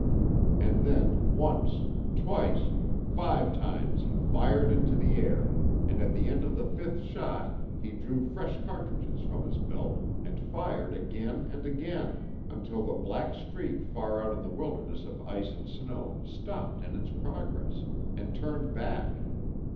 And then, once, twice, five times he fired into the air, and at the end of the fifth shot he drew fresh cartridges from his belt, and fired again and again, until the black streak far out in the wilderness of ice and snow stopped in its progress and turned back.